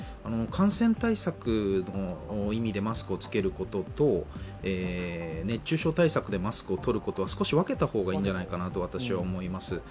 感染対策の意味でマスクを着けることと、熱中症対策でマスクを取ることは少し分けた方がいいんじゃないかなと私は思います。